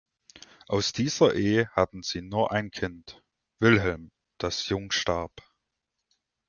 Aus dieser Ehe hatte sie nur ein Kind, Wilhelm, das jung starb.